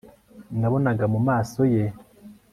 nabonaga mu maso ye